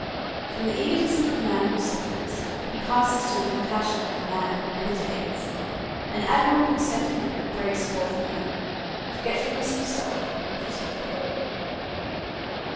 From the egotism of the man who suffers he passes to the compassion of the man who meditates. An admirable sentiment breaks forth in him, forgetfulness of self and pity for all.